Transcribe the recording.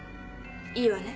いいわね？